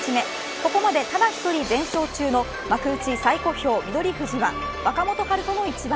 ここまでただ１人全勝中の幕内最小兵翠富士は若元春との一番。